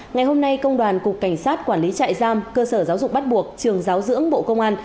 ngày hôm nay công đoàn cục cảnh sát quản lý trại giam cơ sở giáo dục bắt buộc trường giáo dưỡng bộ công an